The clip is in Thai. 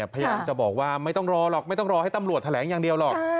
พยายามจะบอกว่าไม่ต้องรอหรอกไม่ต้องรอให้ตำรวจแถลงอย่างเดียวหรอก